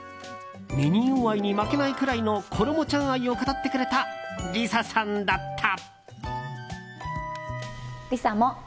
ミニオン愛に負けないくらいのころもちゃん愛を語ってくれたＬｉＳＡさんだった。